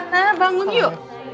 naya bangun yuk